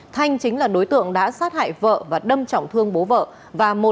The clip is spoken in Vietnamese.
thanh chính là đối tượng đã sát hại vợ và đâm trọng thương bố vợ